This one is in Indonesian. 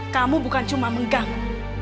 kamu bukan cuma mengganggu